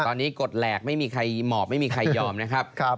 ตอนนี้กดแหลกไม่มีใครหมอบไม่มีใครยอมนะครับ